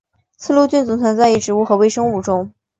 此路径只存在于植物和微生物中。